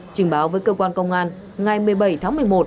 trình báo với cơ quan công an ngày một mươi bảy tháng một mươi một